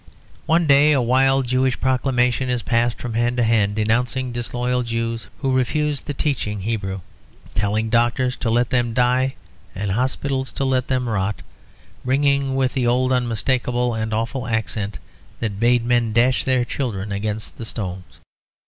One day a wild Jewish proclamation is passed from hand to hand, denouncing disloyal Jews who refuse the teaching Hebrew; telling doctors to let them die and hospitals to let them rot, ringing with the old unmistakable and awful accent that bade men dash their children against the stones.